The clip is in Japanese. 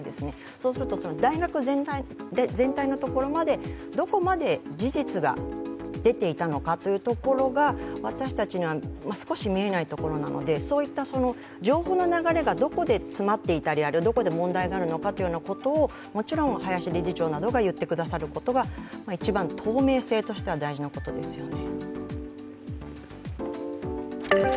そうすると大学全体のところまでどこまで事実が出ていたのかというところが私たちには少し見えないところなのでそういった情報の流れがどこで詰まっていたりどこで問題があるのかをもちろん林理事長などが言ってくださることが一番透明性としては大事なことですよね。